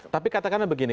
tapi katakanlah begini